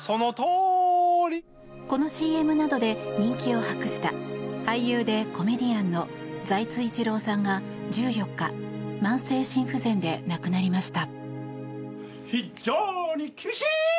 このＣＭなどで人気を博した俳優でコメディアンの財津一郎さんが１４日慢性心不全で亡くなりました。